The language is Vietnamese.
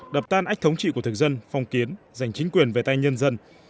đập tan ách thống trị của thực dân phong kiến giành chính quyền về tay nhân dân